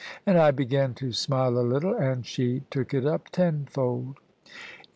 And I began to smile a little; and she took it up tenfold.